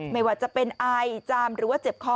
ไม่ว่าจะเป็นไอจามหรือว่าเจ็บคอ